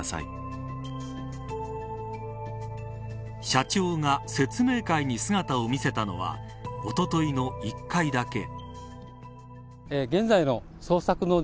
社長が説明会に姿を見せたのはおとといの１回だけ。